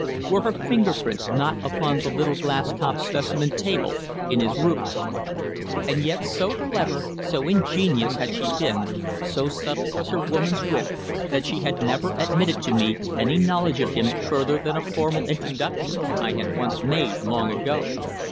Were her finger prints not upon the little glass topped specimen table in his room? And yet so clever, so ingenious had she been, so subtle was her woman's wit, that she had never admitted to me any knowledge of him further than a formal introduction I had once made long ago.